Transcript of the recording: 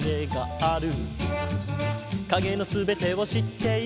「影の全てを知っている」